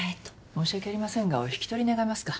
申し訳ありませんがお引き取り願えますか？